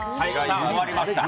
終わりました。